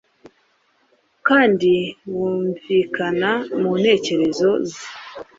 kandi wumvikana mu ntekerezo ze,